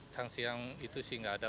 sanksi yang itu sih nggak ada